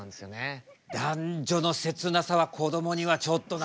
男女の切なさはこどもにはちょっとな。